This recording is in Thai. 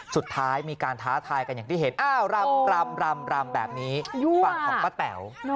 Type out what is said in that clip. ยั่วนะครับฝั่งของป้าแต๋ว